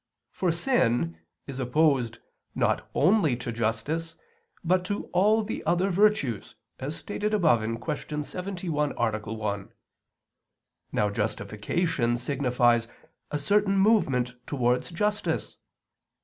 For sin is opposed not only to justice, but to all the other virtues, as stated above (Q. 71, A. 1). Now justification signifies a certain movement towards justice.